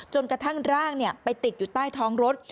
กระทั่งร่างไปติดอยู่ใต้ท้องรถ